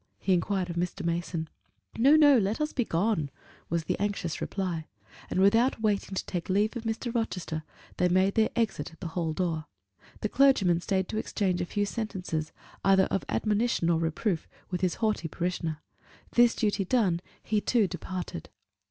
he inquired of Mr. Mason. "No, no; let us be gone," was the anxious reply; and without waiting to take leave of Mr. Rochester, they made their exit at the hall door. The clergyman stayed to exchange a few sentences, either of admonition or reproof, with his haughty parishioner: this duty done, he too departed.